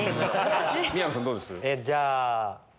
宮野さんどうです？